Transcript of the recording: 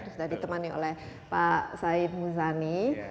sudah ditemani oleh pak said muzani